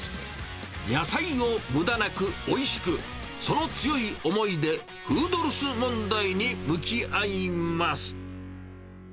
野菜をむだなくおいしく、その強い思いでフードロス問題に向き合います。